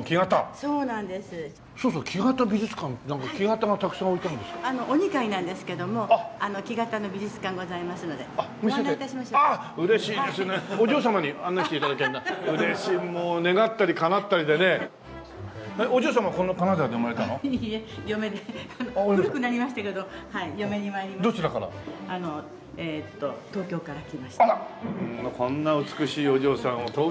こんな美しいお嬢さんを東京のどこでねえ